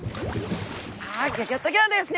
あギョギョッと号ですね！